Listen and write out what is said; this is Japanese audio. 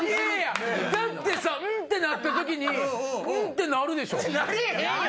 だって「うん？」ってなった時に「うん？」ってなるでしょ。